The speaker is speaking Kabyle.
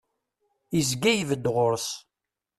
Izga ibedd ɣur-s.